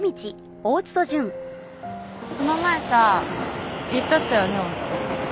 この前さ言っとったよね大津。